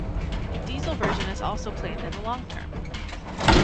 A diesel version is also planned in the long term.